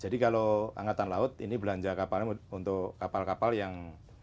jadi kalau angkatan laut ini belanja kapalnya untuk kapal kapal yang